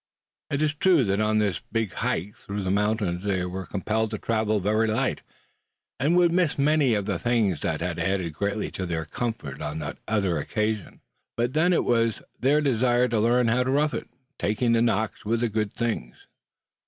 It is true that on this big hike through the mountains they were compelled to travel very light, and would miss many of the things that had added greatly to their comfort on that other occasion. But then it was their desire to learn how to rough it, taking the knocks with the good things.